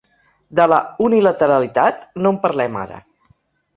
De la unilateralitat, no en parlem, ara.